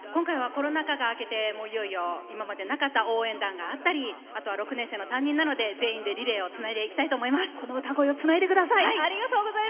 コロナ禍が明けていよいよ今までなかった応援団があったりあとは６年生の担任なので全員でリレーをつなげていきたいと思います。